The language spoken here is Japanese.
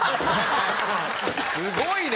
すごいね。